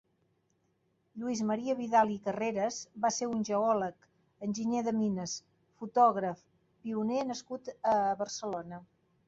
Lluís Marià Vidal i Carreras va ser un geòleg, enginyer de mines, fotògraf pioner nascut a Barcelona.